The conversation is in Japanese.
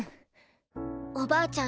おばあちゃん